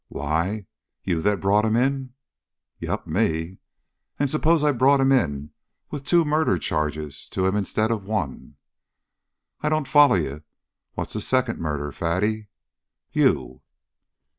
"Why, you that brought him in?" "Yep, me. And suppose I brought him in with two murders charged to him instead of one." "I don't foller you. What's the second murder, Fatty?" "You!"